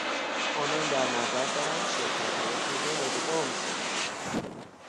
آنان در نظر دارند شرکتهای خود را ادغام کنند.